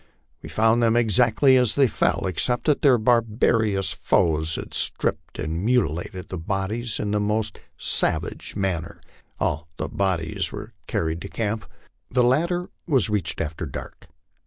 We found them exactly as they fell, except that their barbarous foes had stripped and mutilated the bodies in the most savage manner. "All the bodies were carried to camp. The latter was reached after dark.